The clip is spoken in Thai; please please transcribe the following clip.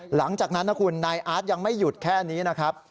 หลังจากนั้นนะคุณนายอาร์ตยังไม่หยุดแค่นี้นะครับ